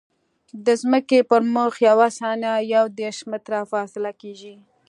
د ځمکې پر مخ یوه ثانیه یو دېرش متره فاصله کیږي